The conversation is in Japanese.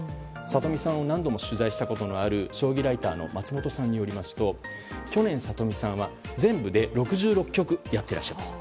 里見さんを何度も取材したことのある将棋ライターの松本さんによりますと去年、里見さんは全部で６６局やっていらっしゃいます。